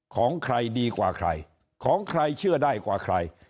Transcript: ของใครดีกว่าใครของใครเชื่อได้กว่าใคร